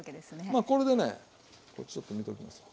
まあこれでねこれちょっと見ときます。